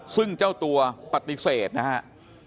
ซึ่งเจ้าตัวปฏิเสธนะครับ